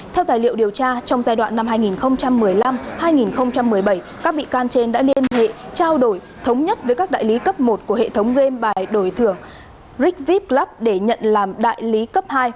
theo tài liệu điều tra trong giai đoạn năm hai nghìn một mươi năm hai nghìn một mươi bảy các bị can trên đã liên hệ trao đổi thống nhất với các đại lý cấp một của hệ thống game bài đổi thưởng rigvip blub để nhận làm đại lý cấp hai